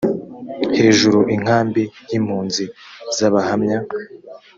hejuru inkambi y impunzi z abahamya